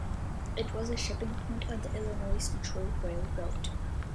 It was a shipping point on the Illinois Central Railroad.